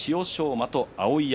馬と碧山。